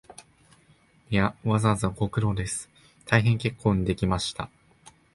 いや、わざわざご苦労です、大変結構にできました